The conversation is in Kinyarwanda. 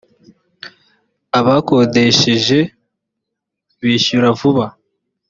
abakodesheje bishyura vuba.